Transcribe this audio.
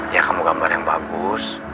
ya kamu gambar yang bagus